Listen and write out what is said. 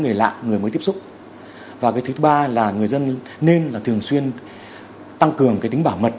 người mới tiếp xúc và thứ ba là người dân nên thường xuyên tăng cường tính bảo mật